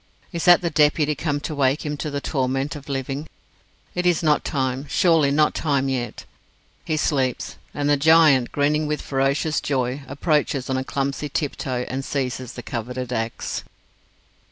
Is that the Deputy come to wake him to the torment of living? It is not time surely not time yet. He sleeps and the giant, grinning with ferocious joy, approaches on clumsy tiptoe and seizes the coveted axe.